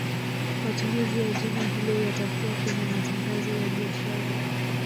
Matumizi ya jina hilo yatakuwa kwenye matangazo ya biashara